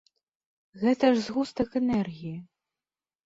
Гэта ж згустак энергіі.